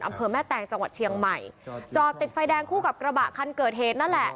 อำเภอแม่แตงจังหวัดเชียงใหม่จอดติดไฟแดงคู่กับกระบะคันเกิดเหตุนั่นแหละ